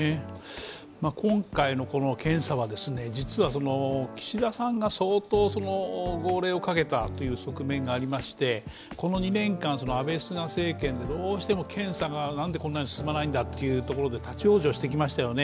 今回の検査は岸田さんが相当号令をかけたという側面がありましてこの２年間、安倍、菅政権で検査がなんでこんなに進まないんだというところで立往生してきましたよね。